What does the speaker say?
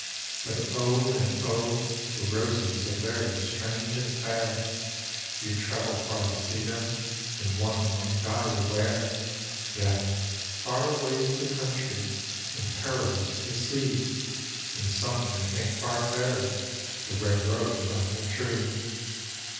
But O, and 0, the roset are very ilrange and fair. You'd travel far to lee them, and one might die to wear. Yet, far away"! the country, and feriloui the sea. And some may think far fairer the red rose on her tree.